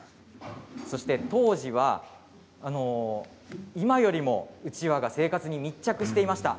当時は今よりも、うちわが生活に密着していました。